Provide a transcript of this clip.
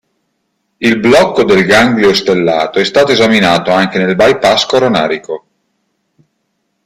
Il blocco del ganglio stellato è stato esaminato anche nel bypass coronarico.